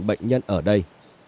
bệnh nhân ở đây